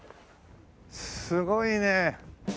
すごいね。